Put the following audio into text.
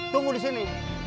tunggu di sini